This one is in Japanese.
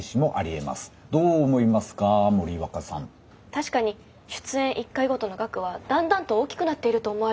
確かに出演一回ごとの額はだんだんと大きくなっていると思われます。